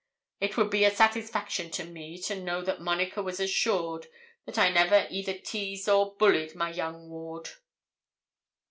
It would be a satisfaction to me to know that Monica was assured that I never either teased or bullied my young ward.'